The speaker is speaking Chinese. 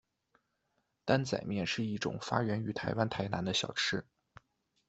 担仔面是一种发源于台湾台南的小吃。